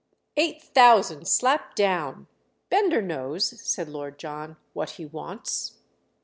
"Eight thousand—slap down. Bender knows," said Lord John, "what he wants."